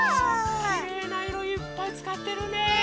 きれいないろいっぱいつかってるね。